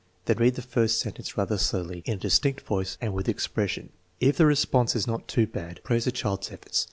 Then read the first sentence rather slowly, in a distinct voice, and with expression. If the response is not too bad, praise the child's efforts.